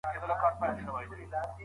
هدفونه روښانه نه وو.